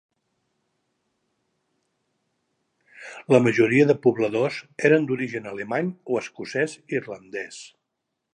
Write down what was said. La majoria de pobladors eren d'origen alemany o escocès-irlandès.